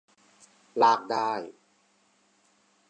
ลากได้